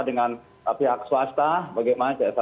dengan pihak swasta bagaimana